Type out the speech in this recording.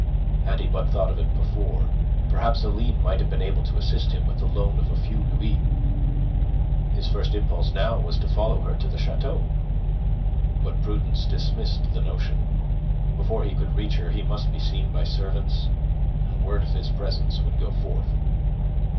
Had he but thought of it before, perhaps Aline might have been able to assist him with the loan of a few louis. His first impulse now was to follow her to the chateau. But prudence dismissed the notion. Before he could reach her, he must be seen by servants, and word of his presence would go forth.